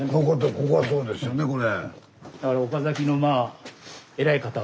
ここはそうですよねこれ。